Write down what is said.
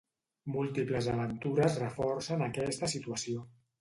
Múltiples aventures reforcen aquesta situació.